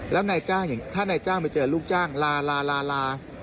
แล้วถ้านายจ้างไปเจอลูกจ้างลาลาลาลา